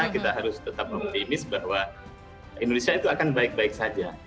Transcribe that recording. kita harus tetap optimis bahwa indonesia itu akan baik baik saja